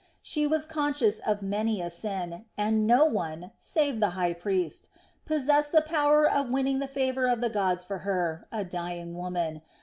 She was conscious of many a sin, and no one, save the high priest, possessed the power of winning the favor of the gods for her, a dying woman.